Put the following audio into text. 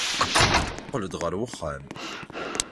Qqel-d ɣer uxxam.